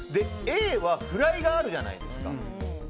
Ａはフライがあるかじゃないですか。